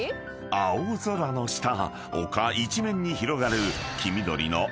［青空の下丘一面に広がる］